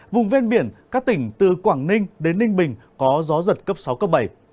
vùng ven biển các tỉnh từ quảng ninh đến ninh bình có gió giật cấp sáu cấp bảy